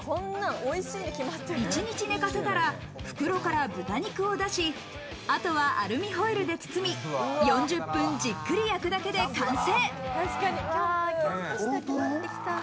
一日寝かせたら袋から豚肉を出し、あとはアルミホイルで包み、４０分じっくり焼くだけで完成。